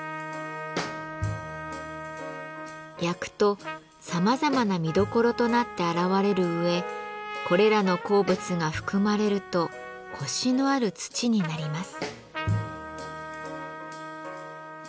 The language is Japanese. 焼くとさまざまな見どころとなって現れるうえこれらの鉱物が含まれるとコシのある土になります。